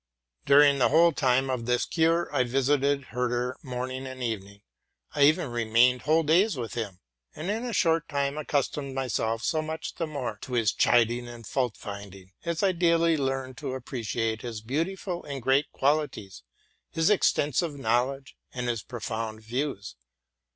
During the whole time of this cure I visited Herder morn ing and evening: I even remained whole days with him, and in a short time accustomed myself so much the more to his chiding and fault finding, as I daily learned to appreciate his beautiful and great qualities, his extensive knowledge, and his profound views.